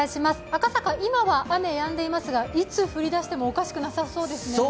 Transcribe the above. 赤坂、今は雨やんでいますが、いつ降り出してもおかしくなさそうですね。